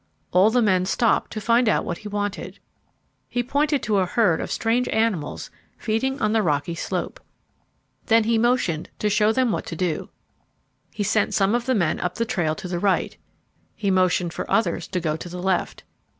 All the men stopped to find out what he wanted. He pointed to a herd of strange animals feeding on the rocky slope. Then he motioned to show them what to do. He sent some of the men up the trail to the right. He motioned for others to go to the left.